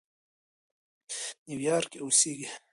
نیویارک کې اوسېږي.